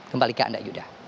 kembalikan anda yudha